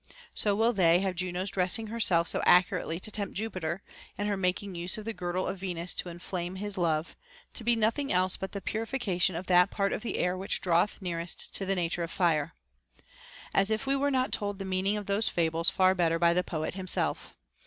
So will they have Juno's dressing herself so accurately to tempt Jupiter, and her making use of the girdle of Venus to inflame his love, to be nothing else but the purification of that part of the air which draweth nearest to the nature of fire. As if we were not told the meaning of those fables far better by the poet himself.